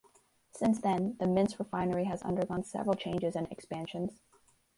Since then, the Mint's refinery has undergone several changes and expansions.